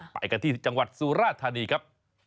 ไปกันที่จังหวัดสุราธานีครับ